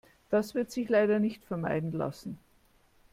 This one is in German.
Das wird sich leider nicht vermeiden lassen.